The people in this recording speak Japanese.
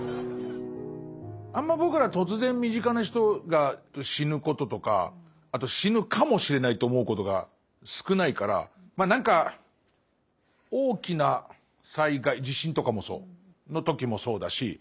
あんま僕ら突然身近な人が死ぬこととか死ぬかもしれないと思うことが少ないから何か大きな災害地震とかもそうの時もそうだし